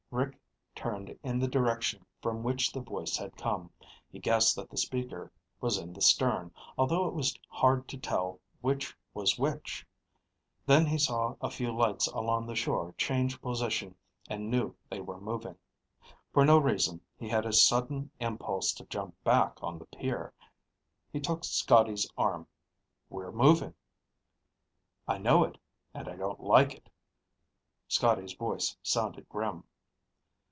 Rick turned in the direction from which the voice had come. He guessed that the speaker was in the stern, although it was hard to tell which was which. Then he saw a few lights along the shore change position and knew they were moving. For no reason, he had a sudden impulse to jump back on the pier. He took Scotty's arm. "We're moving!" "I know it. And I don't like it." Scotty's voice sounded grim.